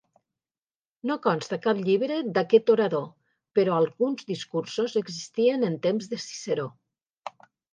No consta cap llibre d'aquest orador però alguns discursos existien en temps de Ciceró.